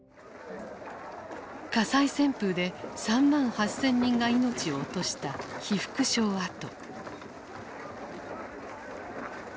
火災旋風で３万８，０００人が命を落とした被服廠跡。